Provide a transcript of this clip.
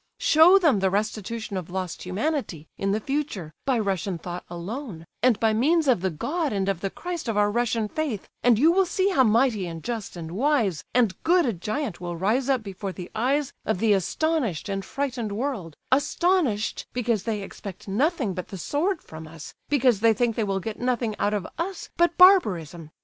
Show them the restitution of lost humanity, in the future, by Russian thought alone, and by means of the God and of the Christ of our Russian faith, and you will see how mighty and just and wise and good a giant will rise up before the eyes of the astonished and frightened world; astonished because they expect nothing but the sword from us, because they think they will get nothing out of us but barbarism.